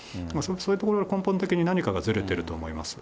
そういうところ、根本的に何かがずれてると思います。